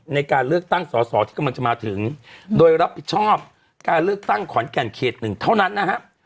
ในการเลือกตั้งสอสอที่กำลังจะมาถึงโดยรับผิดชอบการเลือกตั้งขอนแก่นเขตหนึ่งเท่านั้นนะฮะ